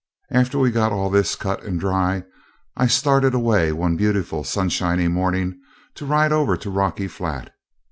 After we'd got all this cut and dry, I started away one beautiful sunshiny morning to ride over to Rocky Flat.